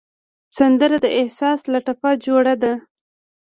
سندره د احساس له ټپه جوړه ده